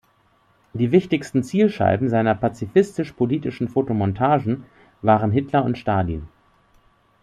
Die wichtigsten Zielscheiben seiner pazifistisch-politischen Fotomontagen waren Hitler und Stalin.